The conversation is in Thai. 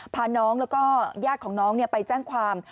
พาน้องแล้วก็ญาติของน้องไปแจ้งความ